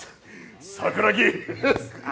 桜木！